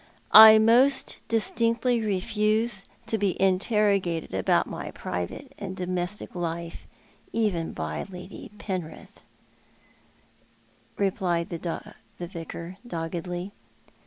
"I most distinctly refuse to be interrogated about my private and domestic life — even by Lady Penrith," replied the Vicar, doggedly.